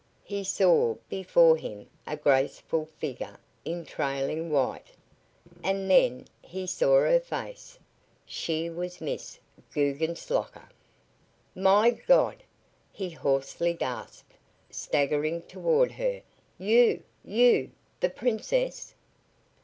He saw before him a graceful figure in trailing white, and then he saw her face. She was Miss Guggenslocker! "My God!" he hoarsely gasped, staggering toward her. "You! You! The Princess?"